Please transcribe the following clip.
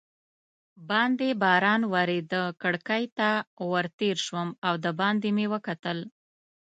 باندې باران ورېده، کړکۍ ته ور تېر شوم او دباندې مې وکتل.